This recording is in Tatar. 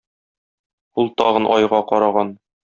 Ул тагын айга караган.